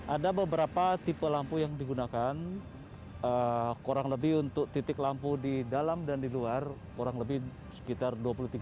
ada beberapa tipe lampu yang digunakan kurang lebih untuk titik lampu di dalam dan di luar kurang lebih sekitar dua puluh tiga km